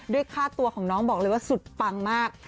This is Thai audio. ค่าตัวของน้องบอกเลยว่าสุดปังมาก